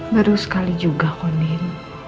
baru sekali juga konin